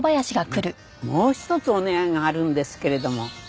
あのもう一つお願いがあるんですけれども。